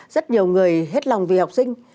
rất nhiều người hết lòng vì học sinh